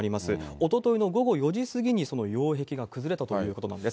おとといの午後４時過ぎに、その擁壁が崩れたということなんです。